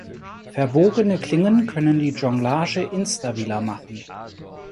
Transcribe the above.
Verbogene Klingen können die Jonglage instabiler machen.